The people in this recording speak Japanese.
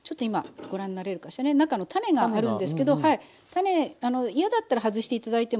種嫌だったら外して頂いてもいいし